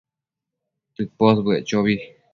tëposbëec chobi